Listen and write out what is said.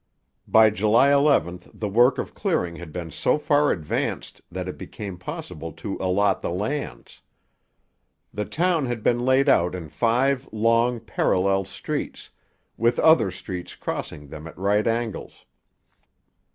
By July 11 the work of clearing had been so far advanced that it became possible to allot the lands. The town had been laid out in five long parallel streets, with other streets crossing them at right angles.